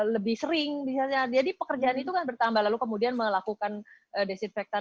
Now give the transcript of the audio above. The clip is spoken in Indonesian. lebih sering misalnya jadi pekerjaan itu kan bertambah lalu kemudian melakukan desinfektan